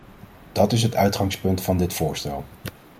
Dat is het uitgangspunt van dit voorstel.